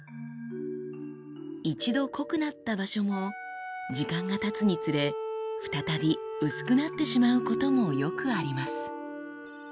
一度濃くなった場所も時間がたつにつれ再び薄くなってしまうこともよくあります。